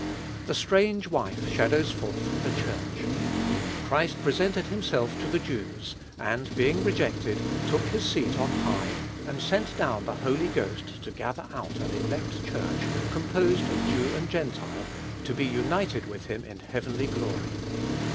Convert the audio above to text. The strange wife shadows forth the Church. Christ presented himself to the Jews, and being rejected, took his seat on high, and sent down the Holy Ghost to gather out an elect Church, composed of Jew and Gentile, to be united with him in heavenly glory.